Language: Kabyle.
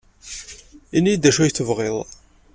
Ini-iyi-d d acu ay tebɣiḍ.